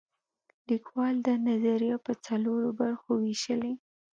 لیکوال دا نظریه په څلورو برخو ویشلې.